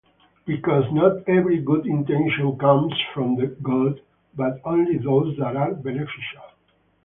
Because not every good intention comes from God, but only those that are beneficial.